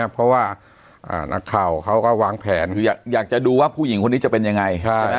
เพราะว่านักข่าวเขาก็วางแผนคืออยากจะดูว่าผู้หญิงคนนี้จะเป็นยังไง